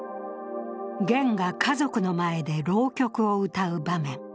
ゲンが家族の前で浪曲を歌う場面。